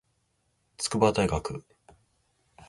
筑波大学